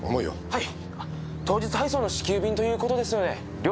はい。